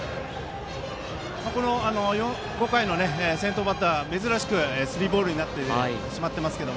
この５回の先頭バッターは珍しくスリーボールになっていますが。